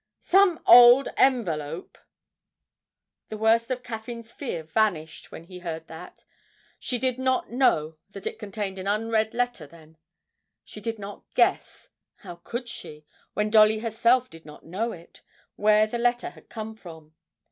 'Some old envelope!' The worst of Caffyn's fear vanished when he heard that. She did not know that it contained an unread letter then; she did not guess how could she, when Dolly herself did not know it where the letter had come from.